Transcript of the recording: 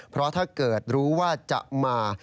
เพราะถ้าเกิดรู้ว่าจะมา